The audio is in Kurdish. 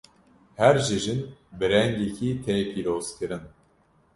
Her cejin bi rengekî tê pîrozkirin.